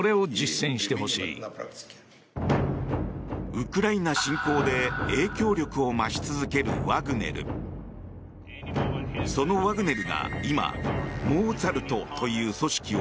ウクライナ侵攻で影響力を増し続けるワグネル。